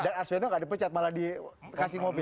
arsiono nggak dipecat malah dikasih mobil